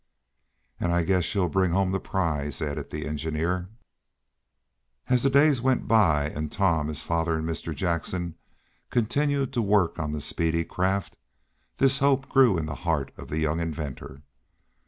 "And I guess she'll bring home the prize," added the engineer. And as the days went by, and Tom, his father and Mr. Jackson continued to work on the speedy craft, this hope grew in the heart of the young inventor.